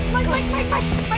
maik maik maik